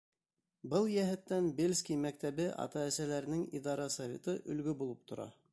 Был йәһәттән Бельский мәктәбе ата-әсәләренең идара советы өлгө булып тора.